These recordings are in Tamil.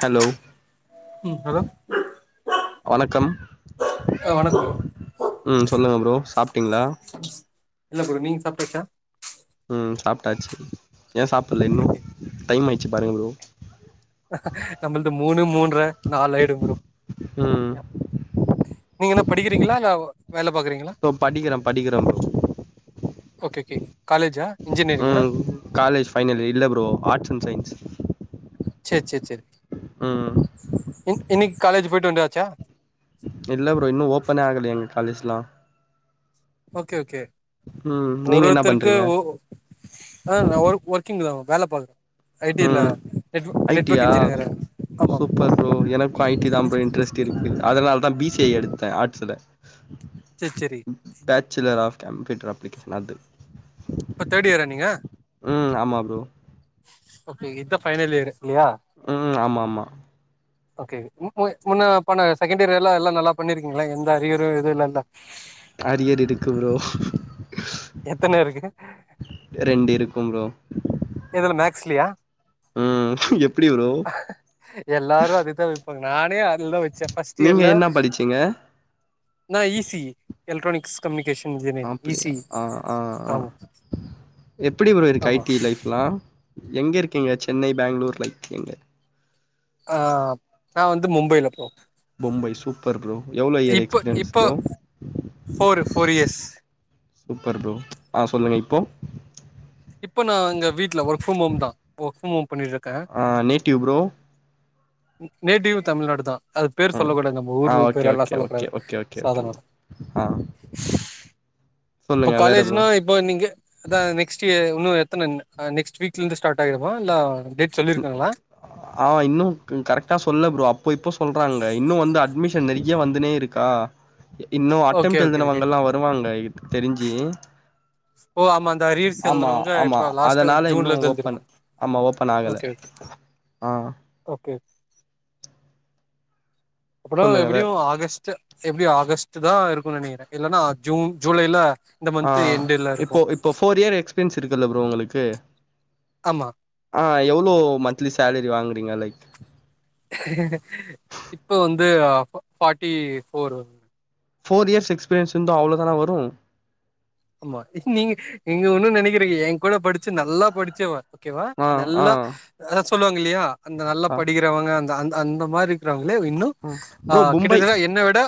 ஹலோ ம் ஹலோ வணக்கம் ஆ வணக்கோ ம் சொல்லுங்க ஃப்ரோ சாப்பிட்டீங்களா இல்ல ப்ரோ நீங்க சாப்டாச்சா ம் சாப்பிட்டாச்சு ஓகே லேன்னு ஓகே டைம் ஆயிடுச்சு பாருங்க ஃப்ரோ நம்மள்து மூணு மூன்ற நாலு ஆயிடு ஃப்ரோ ம் நீங்க என்ன படிக்கிறீங்களா இல்ல வேல பாக்குறீங்களா ப்ரோ படிக்கிறே படிக்கிறே ப்ரோ ஓகே ஓகே காலேஜா இன்ஜினியரிங்கா ம் காலேஜ் ஃபைனல் இல்ல ஃப்ரோ ஆர்ஸ் அண்ட் சைன்ஸ் செரி செரி செரி ம் ம் இன்னைக்கு காலேஜ் போயிட்டு வந்தாச்சா இல்ல ஃப்ரோ இன்னு ஓப்பனே ஆகல எங்க காலேஜ்லா ஓகே ஓகே ம் நீங்க என்ன ஒருத்தருக்கு பண்றீங்க ஓ ஆ நா ஒர்க் ஒர்க்கிங் தா வேல பாக்குறே ஐ டில்ல ம் நெட்வொ ஐ டி நெட்வொர்க் யா இன்ஜினியர சூப்பர் ஃப்ரோ எனக்கு ஐ டி தா ஃப்ரோ இன்ட்ரெஸ்ட் இருக்கு அதனால தா பி சி ஐ எடுத்தே ஆட்ஸ்ஸுல [inaudible] சேர் சரி பேச்சுலர் ஆஃப் கம்ப்யூட்டர் அப்ளிகேஷன் அது இப்ப தேர்டு இயரா நீங்க ம் ஆமா ஃப்ரோ அப்ப இத பைனல் எடுகலயா ம் ஆமா ஆமா ஓகே மும முன்ன பண்ண செகண்ட் இயர் எல்லா எல்லா நல்லா பண்ணிருக்கீங்களா எந்த அறியரு எது இல்லல [inaudible] அரியர் இருக்கு ப்ரோ எத்தன இருக்கு ரெண்டு இருக்கும் ப்ரோ எதுல மேக்ஸ்லயா ம் எப்டி வரு எல்லாரு அதுதா வைப்பாங்க நானே அதுல தா வச்சே ஃபஸ்ட் நீங்க இயர்ல என்ன படிச்சீங்க நா ஈசி எலக்ட்ரானிக்ஸ் கம்யூனிகேஷன் இன்ஜினியரிங் அப்டியா ஈஸி ஆ ஆ ஆ ஆம் எப்டி ப்ரோ இருக்கு ஐ டி லைஃப்லா எங்க இருக்கீங்க சென்னை பெங்களூர் லை எங்க ஆ நா வந்து மும்பைில ப்ரோ பொம்பை சூப்பர் ப்ரோ எவ்ளோ இயர் எக்ஸ்பீரியன்ஸ் இப்ப bro four four years super bro ஆ சொல்லுங்க இப்போ இப்ப நா எங்க வீட்ல ஒர்க் ஃப்ர ஹோம் தா ஒர்க் ஃப்ர ஹோம் பண்ணிட்ருக்கே ஆ நேட்டிவ் ப்ரோ நேட்டிவ் தமிழ்நாடு தா அது பேர் ம் சொல்லக்கூடாது நம்ம ஆ ஊர் ஓகே பேர் எல்லா ஓகே ஓகே சொல்லக்கூடாது ஓகே ஓகே ஓகே ப்ரோ சாதாரண ஆ இப்ப சொல்லுங்க வேற ப்ரோ காலேஜ்னா இப் இப்போ நீங்க அதா நெக்ஸ்ட்டு இயர்‌ இன்னு எத்தன‌ நெக்ஸ்ட் வீக்லேந்து ஸ்டார்ட் ஆகிடுமா இல்ல சொல்லியிருக்காங்களா ஆ இன்னும் கரெக்டா சொல்ல ப்ரோ அப்போ இப்போ சொல்றாங்க இன்னு வந்து அட்மிஷன் நெறைய வந்துனே இருக்கு ஆ இன்னு ஓகே அட்டெம்டு‌ ஓகே ஓகே எழுதுனவங்களா வருவாங்க இதுக்கு தெரிஞ்சு ஓ ஆமா அந்த அரியர்ஸ் ஆமா எழுதுனவங்க ஆமா இப்ப லாஸ்ட் அதனால இன்னு ஜூன்ல இருந்து ஓப்பன் எழுதிருப்பாங்க ஆமா ஓப்பன் ஆகல ஓகே ஆ ஓகே அப்பறோ சொல்லுங்க வேற எப்படியு ஆகஸ்ட்டு எப்டியு ஆகஸ்ட்டுதா இருக்குன்னு நெனைக்கிறே இல்லனா ஜூன் ஜூலை ல இந்த ஆ மந்த்து எண்டுல இருக்கு இப்போ இப்போ ஃபோர் இயர் எக்ஸ்பீரியன்ஸ் இருக்குல்ல ப்ரோ உங்களுக்கு ஆமா ஆ எவ்வளோ மந்த்லி சேலரி வாங்குறீங்க லைக் இப்போ‌ வந்து party four four years experience இருந்தா அவ்ளோ தானா வரு ஆமா நீங்க இங்க ஒன்னு நெனைக்கிறீங்க எங்கூட படிச்சு நல்லா படிச்சவ ஓகேவா ஆ ஆ நல்லா அத சொல்லுவாங்க இல்லையா அந்த நல்லா ஆ படிக்கிறவங்க அந்த அந்த மாரி இருக்கிறவங்களே இன்னு ம் ஆ ப்ரோ மும்பை கிட்டத்தட்ட என்ன விட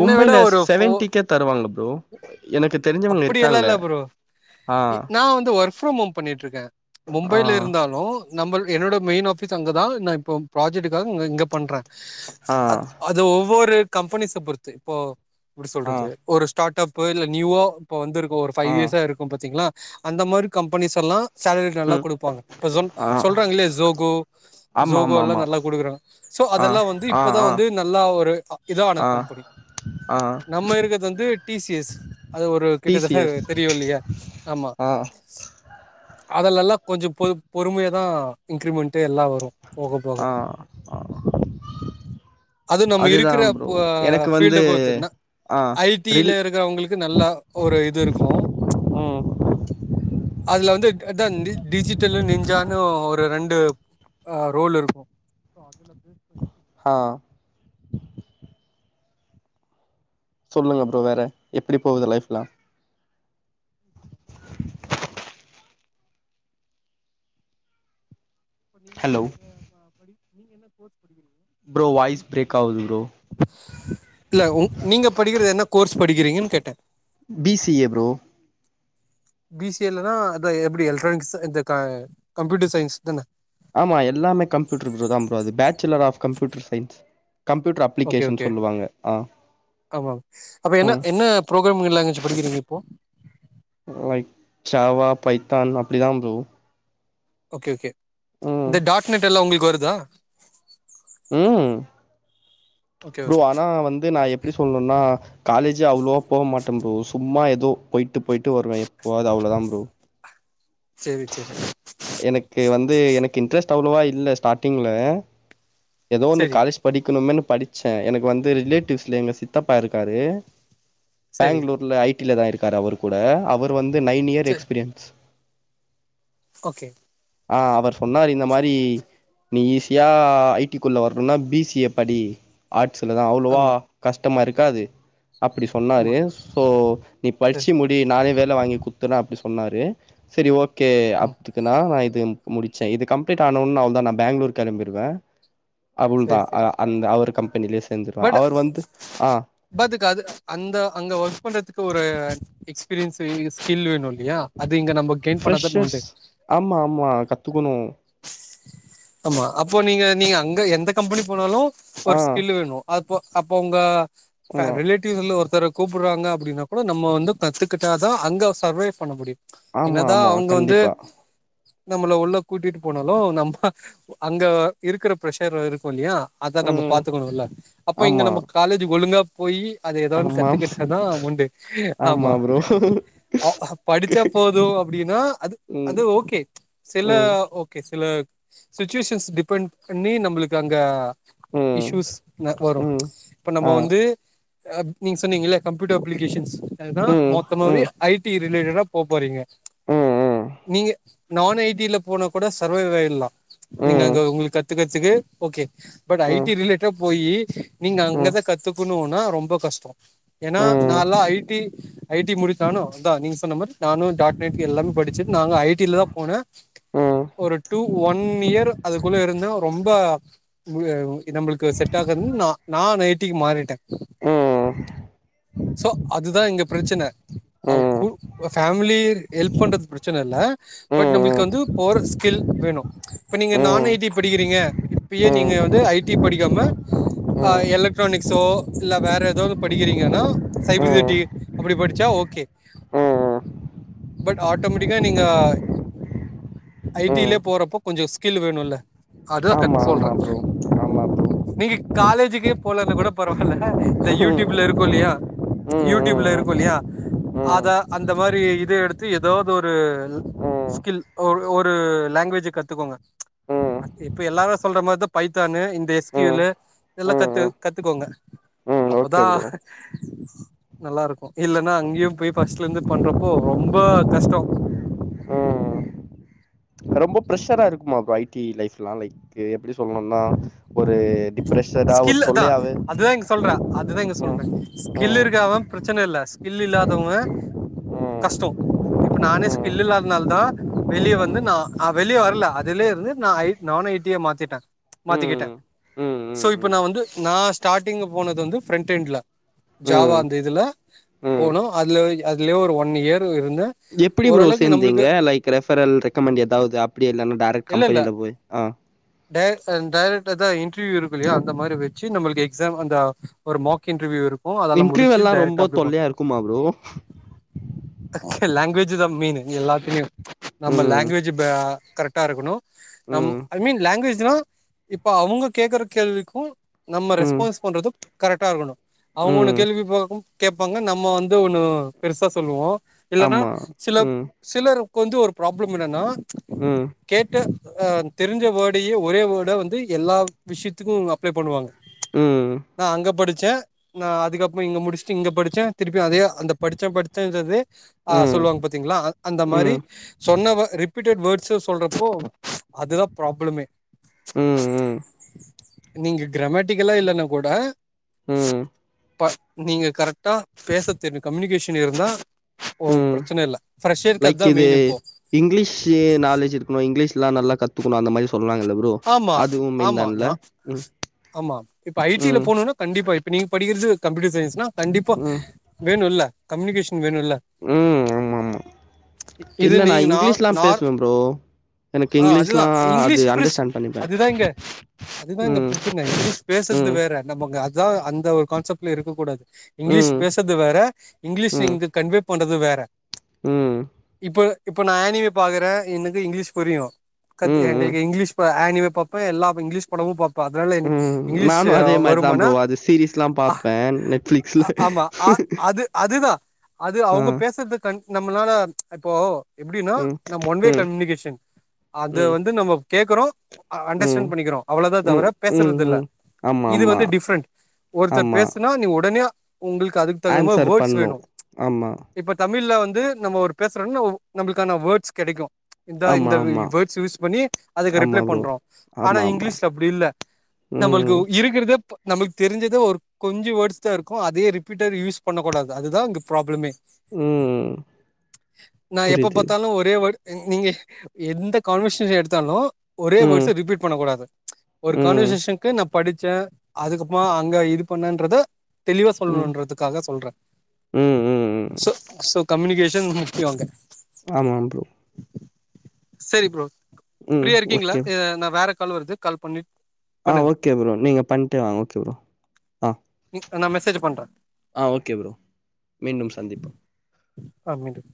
என்ன விட ஒரு ஃபோ செவன்டிக்கே தருவாங்க ஃப்ரோ எனக்கு தெரிஞ்சவங்க அப்படி எல்லா இருக்காங்க இல்ல ப்ரோ ஆ நா வந்து ஒர்க் ஃப்ரம் ஹோம் பண்ணிட்ருக்கே ஆ மும்பைில இருந்தாலு நம்மள் என்னோட மெயின் ஆபிஸ் அங்கதா நா இப்போ ப்ராஜெக்டுகாக இங்க இங்க பண்றே ஆ அ அது ஒவ்வொரு கம்பெனிஸ்ஸ பொறுத்து இப்போ இப்டி ஆ சொல்றது ஒரு ஸ்டார்டப்பு இல்லை நியூவா இப்போ வந்து இருக்கு ஒரு ஃபைவ் ஆ இயர்ஸா இருக்கும் பாத்திங்களா அந்த மாரி கம்பனிஸ் எல்லா சேலரி நல்லா ம் கொடுப்பாங்க இப்ப சொ ஆ சொல்றாங்க இல்லையே சொகோ ஆமா ஜோகோ ஆமா எல்லாம ஆமா நல்லா கொடுக்குறாங்க சோ ஆ அதெல்லாம் வந்து ஆ இப்பதான் ஆ வந்து நல்லா ஒரு இத ஆன ஆ கம்பெனி ஆ நம்ம இருக்கிறது வந்து டி சி எஸ் அது ஒரு டி சி கிட்டத்தட்ட எஸ் தெரியும் இல்லையா ஆமா ஆ அதுல எல்லா கொஞ்ச பொ பொறுமையதான் இன்கிரிமெண்ட எல்லாம் வரும் போக போக. ஆ ஆ அது நம்ம இருக்கிற எனக்கு வந்து பீல்ட் பொறுத்து நா ஆ ஐ டி ரில் ல இருக்கிறவங்களுக்கு நல்ல ஒரு இது இருக்கும் ம் அதுல வந்து டிஜிட்டல நெஞ்சானு ஒரு ரெண்டு ஆ ரோல் இருக்கும் பண்ணி நமக்கு ஆ சேலரி சொல்லுங்க ஃப்ரோ வேற எப்டி போகுது லைஃப்லா நீங்க ஹலோ படி நீங்க என்ன கோர்ஸ் படிக்கிறீங்க bro voice B C A பிரேக்காவுது ன்றீங்களா? இல்ல நீங்க படிக்கறது என்ன கோர்ஸ் படிக்கிறீங்கன்னு கேட்டேன் B C A bro B C A லனா அத எப்டி எலக்ட்ரானிக்ஸ் இந்த கம்ப்யூட்டர் சயின்ஸ் தான ஆமா எல்லாமே கம்யூட்டர் தான் ஃப்ரோ அது bachelor of computer science computer okay application okay சொல்லுவாங்க ஆ ஆமா அப்ப என்ன ம் என்ன ஃபுரோகிராங் லாங்குவேஜ் படிக்கிறீங்க இப்போ லைக் சாவா பைத்தான் அப்டிதான் ஃப்ரோ ஓகே ஓகே ம் இந்த டாட் நெட் எல்லா உங்களுக்கு வருதா ம் ஓகே ஃப்ரோ ஓகே ஆனா வந்து நான் எப்டி சொல்லணும்னா காலேஜ் அவ்ளோவா போமாட்ட ப்ரோ சும்மா ஏதோ போயிட்டு போயிட்டு வருவே எப்போவாது அவ்ளோதா ப்ரோ செரி செரி எனக்கு வந்து எனக்கு இன்ட்ரெஸ்ட் அவ்வளோவா இல்ல ஸ்டார்ட்டிங்ல ஏதோ வந்து சரி காலேஜ் படிக்ணுமேன்னு படிச்சே எனக்கு வந்து ரிலேட்டிவ்ஸ்ல எங்க சித்தப்பா இருக்காரு சரி பேங்ளூர்ல ஐ டில தா இருக்கார் அவரு கூட அவரு வந்து நைன் இயர் சரி எக்ஸ்பீரியன்ஸ் ஓகே ஆ அவர் சொன்னார் இந்த மாரி நீ ஈஸியா ஐ டிக்குள்ள வரணுன்னா பி சி ஏ படி ஆர்ட்ஸ்ல தா அவ்ளோவா ஆமா கஷ்டமா இருக்காது அப்டி சொன்னாரு ஆமா சோ நீ சரி படிச்சி முடி நானே வேல வாங்கி குடுத்துறே அப்டி சொன்னாரு செரி ஓகே அ ம் னா நா இது முடிச்சே இது கம்ளீட் ஆன ஒனே அவ்ள தா நா பேங்களூர் கெளம்பிடுவே அவ்ளதா சரி அ சரி அந்த அவரு கம்பெனிலே சேந்துருவ அவு வந்து ஆ பாத்துக்க அது அந்த அங்க ஒர்க் பண்றதுக்கு ஒரு எக்ஸ்பீரியன்ஸ் ஸ்கில் வேணு இல்லயா அது இங்க நம்ம கெயின் பண்ணாதானே ஃப்ரெஷர்ஸ் உண்டு ஆமா ஆமா கத்துக்கணு ஆமா அப்போ நீங்க நீங்க அங்க எந்த கம்பெனி போனாலூ ஆ ஒரு ஸ்கில் வேணு அப்பொ அப்பொ ஒங்க பெ ஆமா ரிலேட் ஒருத்தர கூப்டுறாங்க அப்டினா கூட நம்ம வந்து கத்துக்கிட்டா தா அங்கே சர்வைவ் பண்ண முடியு ஆமா என்னதா ஆமா அவுங்க வந்து கண்டிப்பா நம்மள உள்ள கூட்டிட்டு போனாலு நம்ப அங்க இருக்கிற ப்ரஷர் இருக்கு இல்லயா அத நம்ம ம் பாத்துக்கனு இல்ல அப்ப இங்க ஆமா நம்ம காலேஜ் ஒழுங்கா போயி அத ஏதோன்னு ஆமா கத்துக்கிட்டாதா உண்டு ஆமா அ படிச்சா போது அப்டின்னா அது ம் அது ஓகே சில ம் கே சில சிச்சுவெஷன்ஸ் டிபென்ட் பண்ணி நம்ளுக்கு அங்க ம் இஷ்யூஸ் ந ப்ரொ ம் இப்ப நம்ப ஆ வந்து நீங்க சொன்னீங்கள்ல கம்ப்யூட்டர் அப்ளிகேஷன்ஸ் அதுதா ம் மொத்தமாவே ம் ஐ டி ரிலேட்டடா போ போறீங்க ம் ம் ம் நீங்க நான் ஐ டீ ல போனா கூட சர்வைவ் ஆயிட்லா நீங்க ம் அங்க ஒங்களுக்கு கத்து கத்துக்கு ஓகே பட் ம் ஐ ம் டீ ரிலேட்டா போயி நீங்க ம் ம் ம் ம் அங்கதா கத்துக்கணுனா ரொம்ப கஷ்டோ ஏன்னா ம் ம் நாலா ஐ டீ ஐ டீ முடிச்சானு அதா நீங்க சொன்ன மாரி நானு டாட் நெட் படிச்சு ஐ டி ல தா போனே ம் ம் ஒரு டூ ஒன் இயர் அதுக்குள்ள இருந்தே ரொம்ப இது நம்பளுக்கு செட் ஆகாதுன்னு நா நான் ஐ டீ க்கு மாறிட்டே சோ அதுதா இங்க ப்ரச்சன அவ் கூ ஒ ஃபேமிலிர் ஹெல்ப் பண்றது ப்ரச்சனல்ல பட் நம்ளுக்கு வந்து ஓரல் ஸ்கில் வேணு இப்ப நீங்க நான் ஐ டீ படிக்கிறீங்க இப்பயே நீங்க வந்து ஐ டீ படிக்காம அ எலக்ட்ரானிக்ஸோ இல்ல வேற எதோது படிக்கிறீங்கனா சைபர் சிட்டி அப்டி படிச்சா ஓகே ம் ம் பட் ஆட்டோமெட்டிக்கா நீங்க ஐ டீ ல ம் போறப்போ கொஞ்சோ ஸ்கில் வேணுல்ல அதா கத் சொல்றே ஆ ப்ரோ ஆமா ப்ரோ நீங்க காலேஜுக்கே போலன்னா கூட பரவால்ல இந்த ம் யூடியூப்ல இருக்குல்லயா ம் யூடியூப்ல ம் இருக்குல்லயா ம் ம் ம் அதா அந்த மாரி இத எடுத்து எதொது ஒரு ம் ஸ்கில் ஒரு ஒரு லாங்குவேஜ்ஜ கத்துக்கோங்க ம் ம் அத் இப்ப எல்லாரு சொல்ற மாரிதா பைத்தானு இந்த எஸ் க்யுலு எல்லா கத்து கத்துக்கோங்க ம் ஓகே அப்பதா ப்ரோ நல்லாருக்கு இல்லனா அங்கேயு போயி ஃபஸ்ட்லருந்து பண்றப்போ ரொம்ப கஷ்டொ ம் ரொம்ப ப்ரஷரா இருக்குமா பா ஐ டி லைஃப் எல்லா லைக் எப்டி சொல்லணுனா ஒரு டிப்ரெஷ்ஷரா ஒரு தொல்லையாவு தேங் சொல்றா அதுதா இங்க சொல்றே ஸ்கில் ம் ம் இருக்காதவே ப்ரச்சன இல்ல ஸ்கில் இல்லாதவங்க ம் கஷ்ட்டோ இப்ப நானே ம் ஸ்கில் இல்லாதுனால தா வெளிய வந்து நா வெளியே வரல அதுலயே இருந்து நா ஐ நான் ஐ டியா மாத்திட்டே மாத்திக்கிட்டே ம் ஸோ இப்போ ம் நா வந்து நா ஸ்டார்டிங்க்ல போனது வந்து ஃப்ரண்ட் எண்ட்ல ம் ஜாவா ம் அந்த இதுல ம் போனோ அதுல அதுலேயே ஒரு ஒன் இயர் இருந்தே எப்டி ப்ரோ சேந்தீங்க லைக் ரெஃபரல் ரெக்கமண்ட் எதாவ்து அப்டி இல்லன்னா டைரக்ட் இல்லை இல்லை கம்பெனியில போய் அ டே அண்ட் டைரக்ட்டா தா இன்டர்வியூ இருக்கு இல்லயா அந்த மாரி வச்சி நம்மளுக்கு எக்ஸாம் அந்த ஒரு மாக் இன்டர்வியூ இருக்கு அதெல்லா முடிச்சி இன்டர்வியூலா டைரெக்டா ரொம்ப அப்டி போனோ தொல்லையா இருக்குமா ப்ரோ இங்கே லாங்குவேஜ்ஜு தா மெயின்னு எல்லாத்துலயு நம்ம ம் லாங்குவேஜ்ஜு பா கரெக்டா இருக்கணு நம் ம் ஐ மீன் லாங்குவேஜ்ஜுனா இப்ப அவுங்க கேக்குற கேள்விக்கு நம்ம ம் ரெஸ்பான்ஸ் பண்றது கரெக்டா இருக்கணு அவுங்க ஒன்னு ம் கேள்வி பாக்கு கேப்பாங்க நம்ம வந்து ஒண்ணு பெருசா சொல்லுவோ இல்லன்னா ஆமா சில ம் சிலர்க்கு வந்து ஒரு ப்ராப்ளம் என்னன்னா ம் கேட்ட அ தெரிஞ்ச வேர்ட்யே ஒரே வேர்டா வந்து எல்லா விஷயத்துக்கு அப்ளே பண்ணுவாங்க ம் நா அங்க படிச்சேன் நா அதுக்கப்றோ இங்க முடிச்சிட்டு இங்க படிச்சேன் திருப்பியு அதே அந்த படிச்சன் படிச்சன்றதே அ ம் ம் சொல்லுவாங்க பாத்தீங்ளா அந்த மாரி சொன்ன வே ரீபீட்டெட் வேர்ட்ஸ்ஸு சொல்றப்போ அதுதா ப்ராப்ளமே ம் ம் நீங்க கிரமேட்டிக்கல்லா இல்லன்னா கூட ம் ம் ப நீங்க கரெக்டா பேச தெரியனு கம்யூனிகேஷன் இருந்தா ஓ ம் பிரச்சன இல்ல ஃப்ரெஷ்ஷருக்கு அதா மெயின் இப்போ இங்கிலீஷ்ஷு நாலேஜ் இருக்கனோ இங்கிலீஷ்ல்லா நல்லா கத்துக்கனோ அந்த மாரி சொல்றாங்கல்ல ப்ரோ ஆமா அதுவு மெயின் ஆமா தான்ல ந ம் ஆமா இப்ப ஐ டில ம் போனோன்னா கண்டிப்பா இப்ப நீங்க படிக்கிறது கம்ப்யூட்டர் சயின்ஸ்னா கண்டிப்பா ம் வேணுல்ல கம்யூனிகேஷன் வேணுல்ல ம் ஆமா ஆமா இது இல்ல நீங்க நா இங்கிலீஷ்லா நார் பேசுவே ப்ரோ எனக்கு அ அதுதா இங்கிலீஷ்லா அது இங்கிலீஷ் பிரிஷ் அண்டர்ஸ்டாண்ட் பண்ணிப்பே அதுதா இங்க அதுதா இங்க ம் பிரச்சன்ன இங்கிலீஷ் பேசது ம் வேற நமக்கு அதுதா அந்த ஒரு கான்செப்ட்ல இருக்க கூடாது இங்கிலீஷ் ம் பேசது வேற இங்கிலீஷ் ம் இங்க கன்வே பண்றது வேற ம் இப்போ இப்போ நா ஆனிய பாக்குறேன் எனக்கு இங்கிலீஷ் புரியும் கத் ம் ம் எங்களுக்கு இங்கிலீஷ் ப ஆனியவ பப்போ எல்லா இப்ப இங்கிலீஷ் படமும் பாப்பேன் அதனால ம் இங்கிலிஷ்ஷு நானு அதே மாரிதா வரும்மனா ப்ரோ அது சீரீஸ்லா அ பாப்பே நெட்ஃப்ளிக்ஸ்ல ஆமா அ அது அதுதா அது ஆ அவுங்க பேசுறது கன் நம்மளால இப்போ எப்டின்னா ம் நம் ஒன்வே ம் ம் கம்யூனிகேஷன் அது ம் வந்து நம்ம கேக்கறோ அண்டர்ஸ்டாண்ட் பண்ணிக்கிறோ அவ்ளோதா ம் தவிர ம் பேசுறது இல்ல ம் ஆமா இது ஆமா வந்து டிஃப்ரெண்ட் ஒருத்தர் ஆமா பேசுனா நீ உடனே உங்களுக்கு அதுக்கு தகுந்த மாரி ஆன்சர் வேர்ட்ஸ் பண்ணு வேணு ஆமா இப்ப தமிழ்ல வந்து நம்ம ஒரு பேசுறோன்னா நம்மளுக்கான வேர்ட்ஸ் கடைக்கு இதா இ ஆமா, ந்த ஆமா. வேர்ட்ஸ் யூஸ் பண்ணி அதுக்கு ஆமா ரிப்ளை ப்ரோ. பண்றோ ஆனா ஆமா, ஆமா. இங்கிலீஷ்ல அப்டி இல்ல ம், நம்மளுக்கு இருக்கிறதே ப நம்மளுக்கு தெரிஞ்சது ஒரு கொஞ்ச வேர்ட்ஸ் தா இருக்கும் அதே ரீபீட்டர் யூஸ் பண்ணக்கூடாது அது தா அங்க ப்ராப்ளமே ம். நா எப்ப புரியுது. பாத்தாலு ஒரே வேர்ட் நீங்க எந்த கான்வர்சேஷன் எடுத்தாலு ஒரே ம், வேர்ட்ஸ்ஸ ரீபீட் பண்ணக்க கூடாது ஒரு ம், கான்வர்சேஷனுக்கு நம் படிச்சேன் அதுக்கப்பறமா அங்க இது பண்ணன்றத தெளிவா ம், சொல்லணும்ன்றது க்காகா சொல்றேன் ம், ம், ம். சோ சோ கம்யூனிகேஷன் முக்கியம் அங்க ஆமாம் ப்ரோ சேரி ஃப்ரோ ம். ஃப்ரீயா இருக்கீங்களா ஓகே. நா வேற கால் வருது கால் பண்ணி ஆ பண்ணுங்க ஓகே ஃப்ரோ நீங்க பண்ணிட்டு அ ஓகே ஃப்ரோ ஆ நா மெசேஜ் பண்றே ஆ ஓகே ஃப்ரோ மீண்டும் சந்திப்போம் ஆ மீண்டும்